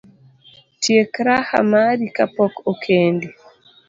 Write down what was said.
Tiek raha mari kapok okendi